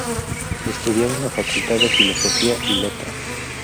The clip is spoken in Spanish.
Estudiaba en la Facultad de Filosofía y Letra.